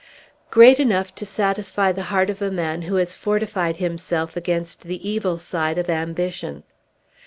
"Great enough to satisfy the heart of a man who has fortified himself against the evil side of ambition.